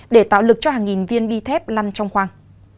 để tạo lực cho hàng nghìn viên bi thép lăn trong khoang